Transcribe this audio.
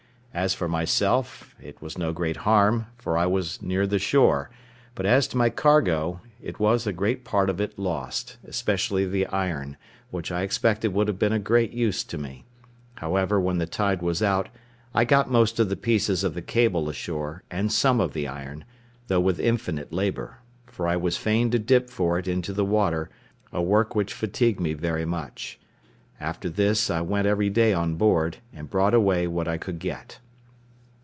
As for myself, it was no great harm, for I was near the shore; but as to my cargo, it was a great part of it lost, especially the iron, which I expected would have been of great use to me; however, when the tide was out, I got most of the pieces of the cable ashore, and some of the iron, though with infinite labour; for I was fain to dip for it into the water, a work which fatigued me very much. After this, I went every day on board, and brought away what I could get.